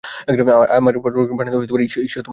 আমাদের পথপ্রদর্শক বানাতে ঈশ্বর তোমাকে বাঁচিয়েছে।